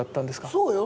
そうよ。